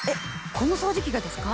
この掃除機がですか？